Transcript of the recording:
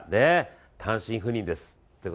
単身赴任です。